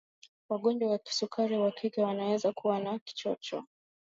wagonjwa wa kisukari wa kike wanaweza kuwa na kichocho